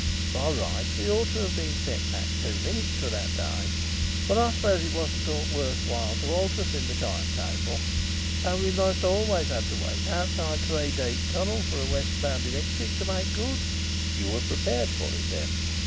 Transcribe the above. By rights we ought to have been set back two minutes for that day, but I suppose it wasn't thought worth while to alter us in the time table so we most always had to wait outside Three Deep tunnel for a west bound electric to make good." "You were prepared for it then?"